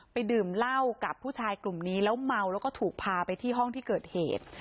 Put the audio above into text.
ดื่มเหล้ากับผู้ชายกลุ่มนี้แล้วเมาแล้วก็ถูกพาไปที่ห้องที่เกิดเหตุ